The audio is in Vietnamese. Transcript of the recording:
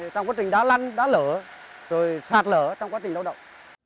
trong quá trình đá lăn đá lửa rồi sạt lửa trong quá trình lao động